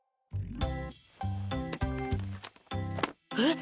えっ？